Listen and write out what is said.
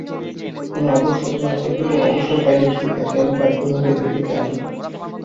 কোন আবশ্যক না থাকিলেও অবসর পাইলে সে এক একবার বিভাকে দেখিতে আসিত।